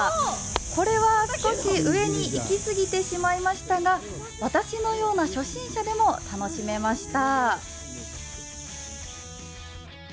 これは少し上に行き過ぎてしまいましたが私のような初心者でも楽しめました。